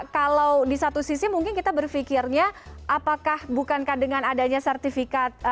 kalau di satu sisi mungkin kita berpikirnya apakah bukankah dengan adanya sertifikat